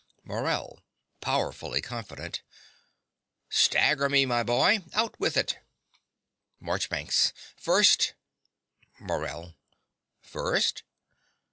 MORELL (powerfully confident). Stagger me, my boy. Out with it. MARCHBANKS. First MORELL. First?